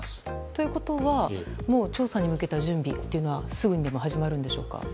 ということは調査に向けた準備はすぐには始まるんでしょうか。